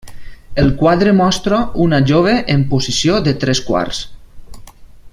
El quadre mostra una jove en posició de tres quarts.